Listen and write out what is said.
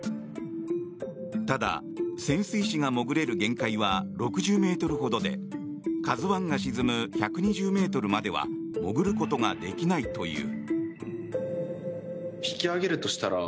ただ、潜水士が潜れる限界は６０ｍほどで「ＫＡＺＵ１」が沈む１２０ｍまでは潜ることができないという。